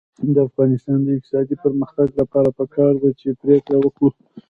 د افغانستان د اقتصادي پرمختګ لپاره پکار ده چې پرېکړه وکړو.